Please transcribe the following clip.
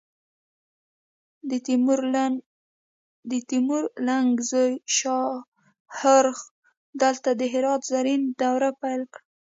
د تیمور لنګ زوی شاهرخ دلته د هرات زرین دور پیل کړ